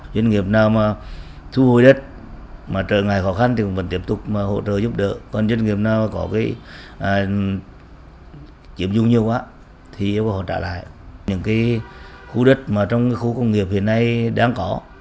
doanh nghiệp nào mà thu hồi đất trợ ngại khó khăn thì vẫn tiếp tục hỗ trợ giúp đỡ